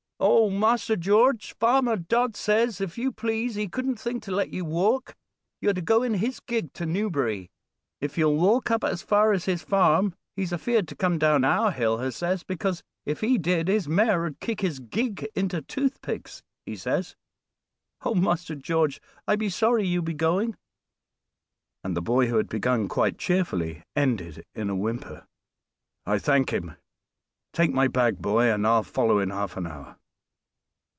"Oh! Master George, Farmer Dodd says, if you please, he couldn't think to let you walk. You are to go in his gig to Newbury, if you'll walk up as fur as his farm; he's afeared to come down our hill, a says, because if he did, his mare 'ud kick his gig into toothpicks, he says. Oh! Master George, I be sorry you be going," and the boy, who had begun quite cheerfully, ended in a whimper. "I thank him! Take my bag, boy, and I'll follow in half an hour."